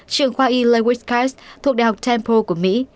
trường khoa y lewis kaiss thuộc đại học temple của mỹ